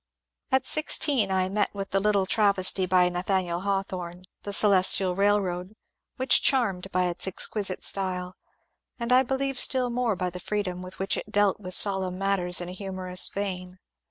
At sixteen I met with the little travesty by Nathaniel Hawthorne, " The Celestial Railroad,*' which charmed by its exquisite style, and I believe still more by the freedom with which it dealt with solenm matters in a humorous vein.